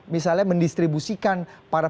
misalnya mendistribusikan para